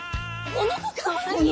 この子超かわいい！